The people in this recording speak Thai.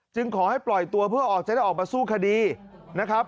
ขอให้ปล่อยตัวเพื่อออกจะได้ออกมาสู้คดีนะครับ